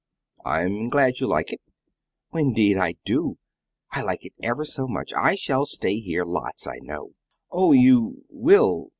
"I'm glad you like it." "Indeed I do; I like it ever so much. I shall stay here lots, I know." "Oh, you will!"